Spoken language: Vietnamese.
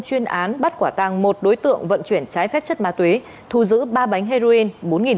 chuyên án bắt quả tăng một đối tượng vận chuyển trái phép chất ma túy thu giữ ba bánh heroin